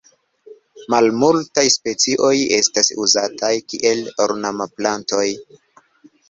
Malmultaj specioj estas uzataj kiel ornamplantoj.